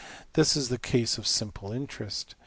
This is the case of simple interest.